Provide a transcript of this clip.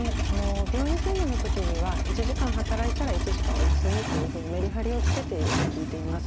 病院勤務の時には１時間働いたら１時間お休みというふうにメリハリをつけていると聞いています。